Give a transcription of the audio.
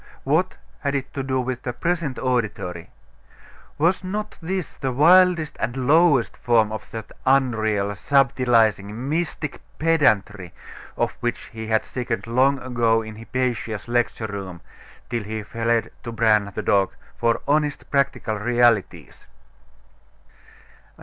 What had it to do with the present auditory? Was not this the wildest and lowest form of that unreal, subtilising, mystic pedantry, of which he had sickened long ago in Hypatia's lecture room, till he fled to Bran, the dog, for honest practical realities?